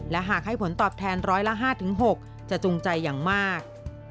และหากให้ผลตอบแทนร้อยละ๕๖จะจุงใจอย่างมาก